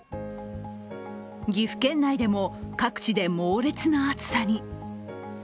岐阜県内でも各地で猛烈な暑さに。